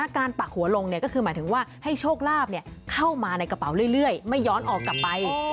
ปักหัวลงก็คือหมายถึงว่าให้โชคลาภเข้ามาในกระเป๋าเรื่อยไม่ย้อนออกกลับไป